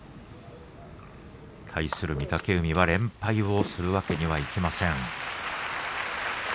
対する御嶽海は連敗するわけにはいきません。